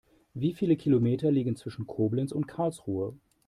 Wie viele Kilometer liegen zwischen Koblenz und Karlsruhe?